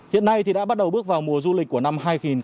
hiện nay đã bắt đầu bước vào mùa du lịch của năm hai nghìn hai mươi hai